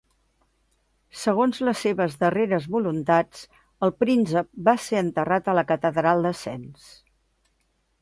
Segons les seves darreres voluntats, el príncep va ser enterrat a la catedral de Sens.